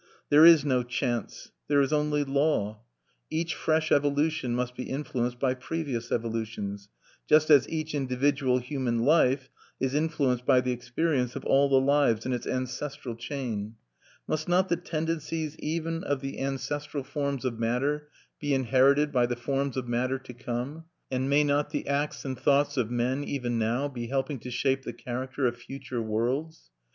There is no chance. There is only law. Each fresh evolution must be influenced by previous evolutions, just as each individual human life is influenced by the experience of all the lives in its ancestral chain. Must not the tendencies even of the ancestral forms of matter be inherited by the forms of matter to come; and may not the acts and thoughts of men even now be helping to shape the character of future worlds?